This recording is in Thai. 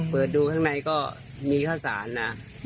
เปิดดูข้างในก็มีข้าวสารนะ